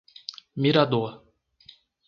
Mirador